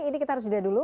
ini kita harus sudah dulu